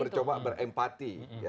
dia mencoba berempati